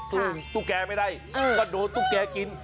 ตุ๊กแกไม่ได้ก็โดนตุ๊กแกกิน